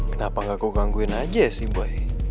kenapa gak kok gangguin aja ya si boy